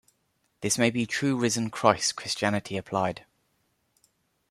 This may be true risen Christ Christianity applied.